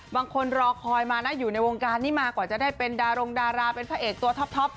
รอคอยมานะอยู่ในวงการนี้มากว่าจะได้เป็นดารงดาราเป็นพระเอกตัวท็อป